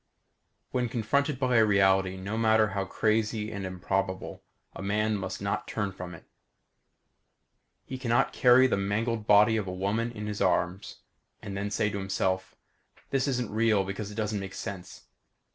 When confronted by a reality no matter how crazy and improbable, a man must not turn from it. He can not carry the mangled body of a woman in his arms and then say to himself: _This isn't real because it doesn't make sense.